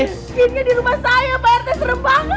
ada jinnya di rumah saya pak rt serem banget